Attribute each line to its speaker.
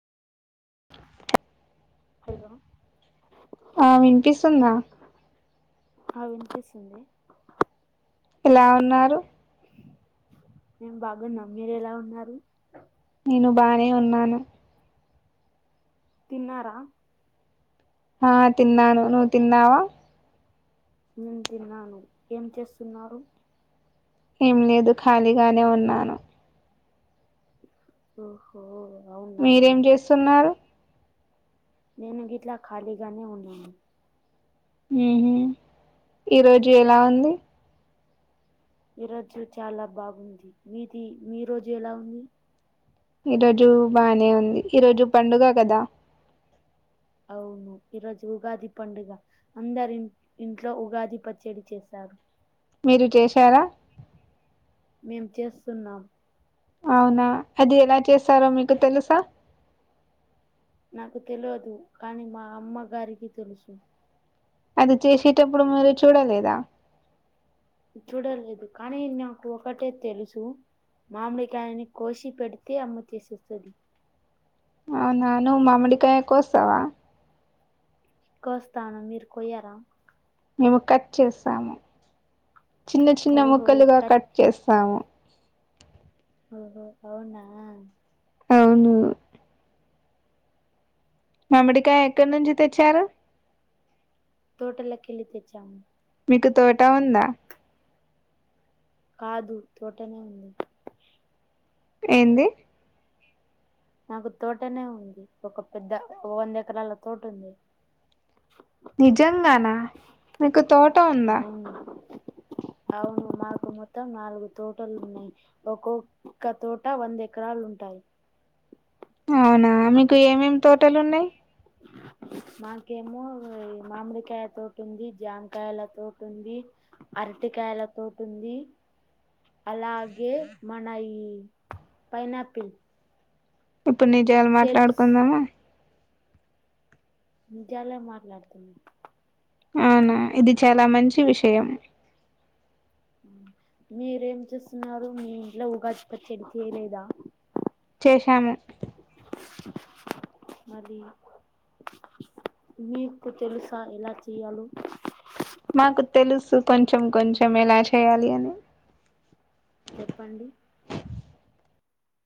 Speaker 1: Hello
Speaker 2: ఆ విన్పిస్తుందా
Speaker 1: ఆ వినిపిస్తుంది.
Speaker 2: ఎలా ఉన్నారు.
Speaker 1: మేం బాగున్నాం. మీరేలా ఉన్నారు.
Speaker 2: నేను బానే ఉన్నాను
Speaker 1: తిన్నారా.
Speaker 2: ఆ తిన్నాను. నువు తిన్నావా.
Speaker 1: నేను తిన్నాను. ఏం చేస్తున్నారు.
Speaker 2: ఏం లేదు. ఖాళీగానే ఉన్నాను.
Speaker 1: ఓహో అవునా
Speaker 2: మీరేం చేస్తున్నారు.
Speaker 1: నేను గిట్లా ఖాళీగానే ఉన్నాను.
Speaker 2: మ్ హు ఈ రోజు ఎలా ఉంది.
Speaker 1: ఈ రోజు చాలా బాగుంది. మీది మీ రోజు ఎలా ఉంది.
Speaker 2: ఈరోజు బానే ఉంది. ఈ రోజు పండుగ కదా
Speaker 1: అవును ఈ రోజు ఉగాది పండుగ. అందరిం ఇంట్లో ఉగాది పచ్చడి చేసారు.
Speaker 2: మీరు చేశారా.
Speaker 1: మేం చేస్తున్నాం.
Speaker 2: అవునా అది ఎలా చేస్తారో మీకు తెలుసా
Speaker 1: నాకు తెలవదు కానీ మా అమ్మ గారికి తెలుసు
Speaker 2: అది చేసేటప్పుడు మీరు చూడలేదా
Speaker 1: నీ చూడలేదు కానీ నాకు ఒకటే తెలుసు మామిడి కాయిని కోషి పెడితే అమ్మ చేసేస్తది
Speaker 2: అవునా నువ్ మామిడికాయ కోస్తవ
Speaker 1: కోస్తాను మీరు కొయ్యరా
Speaker 2: మేము కట్ చేస్తాము చిన్న చిన్న ముక్కలుగా కట్ చేస్తాము
Speaker 1: ఓహో అవునా
Speaker 2: అవును మామ్మిడికాయ ఎక్కడ్ నుంచి తెచ్చారు
Speaker 1: తోటలే కెల్లి తెచ్చాము
Speaker 2: మీకు తోట ఉందా
Speaker 1: కాదు తోటనే ఉంది
Speaker 2: ఏంది
Speaker 1: మాకు తోటనే ఉంది ఒక పెద్ద వంద ఎకరాల తోట ఉంది
Speaker 2: నిజంగానా మీకు తోట ఉందా
Speaker 1: అవును అవును మాకు మొత్తం నాలుగు తోటల్లు ఉన్నాయి ఒక్కొక్క తోట వంద ఎకరాలు ఉంటాయి
Speaker 2: అవునా మీకు ఏమేమి తోటలు ఉన్నాయి
Speaker 1: మాకేమో మామిడిక్యాయ్ తోటుంది జామకాయల తోటుంది అరటికాయల తోటుంది అలాగే మన ఈ పైనాపిల్
Speaker 2: ఇప్పుడు నిజాలు
Speaker 1: సేప్స్
Speaker 2: మాట్లాడుకుందామా
Speaker 1: నిజాలే మాట్లాడుతున్నా
Speaker 2: అవునా ఇది చాలా మంచి విషయం
Speaker 1: ఉహ్మ్ మీరేం చేస్తున్నారు మీ ఇంట్లో ఉగాది పచ్చడి చేయలేదా
Speaker 2: చేశాము
Speaker 1: మాది మీకు తెలుసా ఎలా చెయ్యాలి
Speaker 2: నాకు తెలుసు కొంచెం కొంచెం ఎలా చేయాలి అని
Speaker 1: చెప్పండి